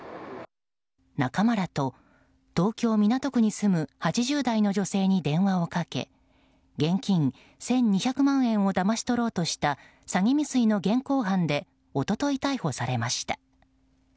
仲間らと、東京・港区に住む８０代の女性に電話をかけ現金１２００万円をだまし取ろうとした詐欺未遂の現行犯で一昨日逮捕されました。